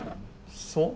そう？